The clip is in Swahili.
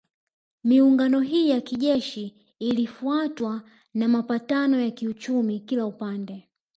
Miungano hii ya kijeshi ilifuatwa na mapatano ya kiuchumi kila upande